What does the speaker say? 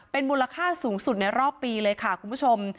เป็นมูลค่าสูงสุดในรอบปีเลยค่ะคุณผู้ชม